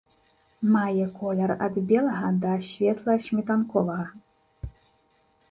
Мае колер ад белага да светла-сметанковага.